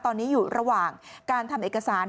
ตอนนี้อยู่ระหว่างการทำเอกสาร